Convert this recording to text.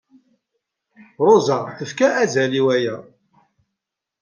Ṛuza tefka azal i waya.